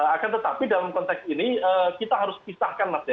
akan tetapi dalam konteks ini kita harus pisahkan mas ya